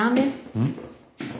うん。